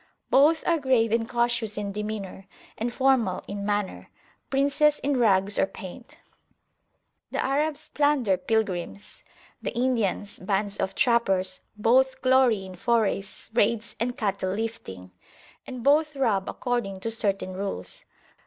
Both are grave and cautious in demeanour, and formal in manner, princes in rags or paint. The Arabs plunder pilgrims; the Indians, bands of trappers; both glory in forays, raids, and cattle lifting; and both rob according to certain rules.